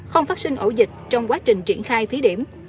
không phát sinh ổ dịch trong quá trình triển khai thí điểm